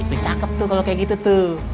itu cakep tuh kalo kayak gitu tuh